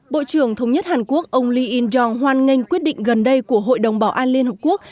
bộ trưởng thống nhất hàn quốc ông lee in jong hoan nghênh quyết định gần đây của hội đồng bảo an liên hợp quốc